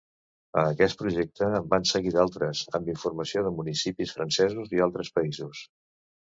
A aquest projecte en van seguir d'altres, amb informació de municipis francesos i d'altres països.